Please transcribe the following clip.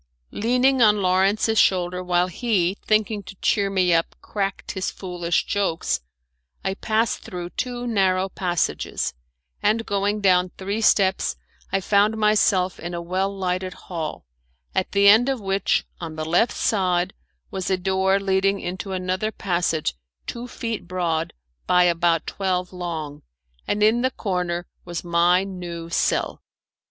Leaning on Lawrence's shoulder, while he, thinking to cheer me up, cracked his foolish jokes, I passed through two narrow passages, and going down three steps I found myself in a well lighted hall, at the end of which, on the left hand side, was a door leading into another passage two feet broad by about twelve long, and in the corner was my new cell.